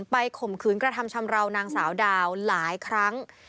ข่มขืนกระทำชำราวนางสาวดาวหลายครั้ง